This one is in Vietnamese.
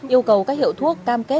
yêu cầu các hiệu thuốc cam kết